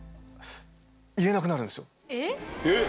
えっ！